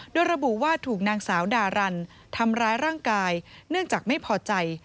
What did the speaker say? โดยระบุว่าถูกนางสาวดารันทำร้ายร่างกายเนื่องจากไม่พอใจ